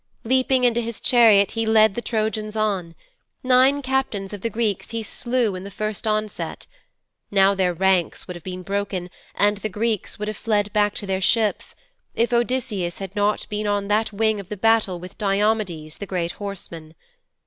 Leaping into his chariot he led the Trojans on. Nine captains of the Greeks he slew in the first onset. Now their ranks would have been broken, and the Greeks would have fled back to their ships if Odysseus had not been on that wing of the battle with Diomedes, the great horseman.